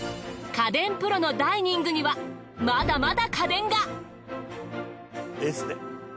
家電プロのダイニングにはまだまだ家電が。